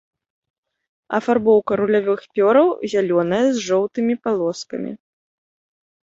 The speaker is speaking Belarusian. Афарбоўка рулявых пёраў зялёная з жоўтымі палоскамі.